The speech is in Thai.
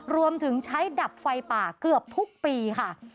รวมถึงใช้ดับไฟป่าเกือบทุกปีค่ะ